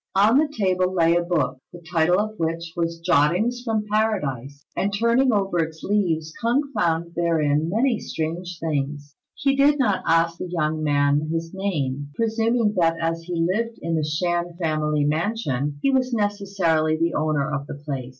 On the table lay a book, the title of which was, "Jottings from Paradise;" and turning over its leaves, K'ung found therein many strange things. He did not ask the young man his name, presuming that as he lived in the Shan family mansion, he was necessarily the owner of the place.